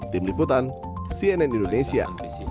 tim liputan cnn indonesia